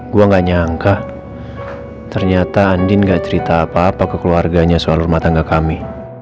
gue gak nyangka ternyata andin gak cerita apa apa ke keluarganya soal rumah tangga kami